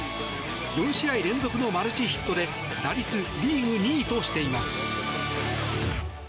４試合連続のマルチヒットで打率リーグ２位としています。